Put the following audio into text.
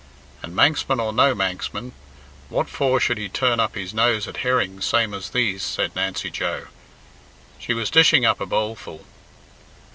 "And Manxman or no Manxman, what for should he turn up his nose at herrings same as these?" said Nancy Joe. She was dishing up a bowlful.